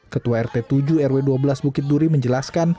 ketua rt tujuh rw dua belas bukit duri menjelaskan